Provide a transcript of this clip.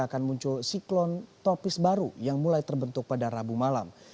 akan muncul siklon tropis baru yang mulai terbentuk pada rabu malam